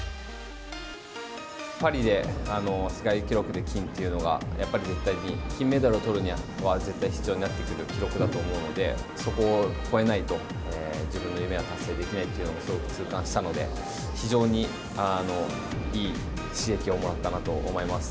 パリで世界記録で金っていうのが、やっぱり絶対に、金メダルをとるには絶対必要になってくる記録だと思うので、そこを超えないと、自分の夢は達成できないっていうのをすごく痛感したので、非常にいい刺激をもらったなと思います。